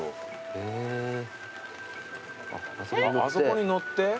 あそこに乗って。